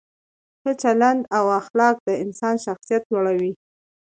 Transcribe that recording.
ښه چلند او اخلاق د انسان شخصیت لوړوي.